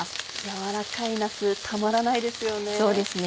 軟らかいなすたまらないですよね。